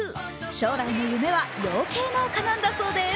将来の夢は養鶏農家なんだそうです。